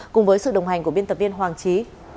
cùng với sự đồng hành của biên tập viên hoàng trí